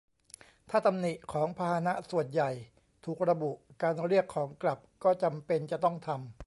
ถ้าตำหนิของพาหนะส่วนใหญ่ถูกระบุ การเรียกของกลับก็จำเป็นจะต้องทำ